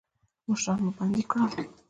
مشران مو بندیان کړل.